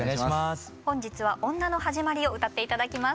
本日は「女のはじまり」を歌って頂きます。